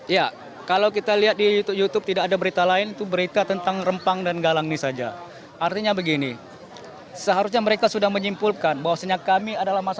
ya kalau kita lihat di youtube tidak ada berita lain itu berita tentang rempang dan galang ini saja artinya begini seharusnya mereka sudah menyimpulkan bahwasannya adalah masyarakat